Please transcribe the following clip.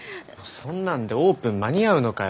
そんなんでオープン間に合うのかよ。